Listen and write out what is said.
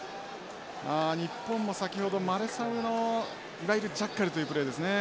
日本も先ほどマレサウのいわゆるジャッカルというプレーですね。